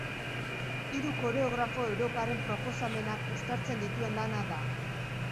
Hiru koreografo europarren proposamenak uztartzen dituen lana da.